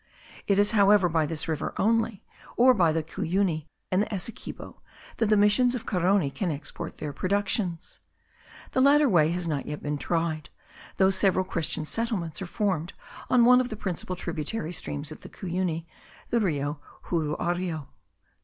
It is, however, by this river only, or by the Cuyuni and the Essequibo, that the missions of Carony can export their productions. The latter way has not yet been tried, though several Christian settlements* are formed on one of the principal tributary streams of the Cuyuni, the Rio Juruario.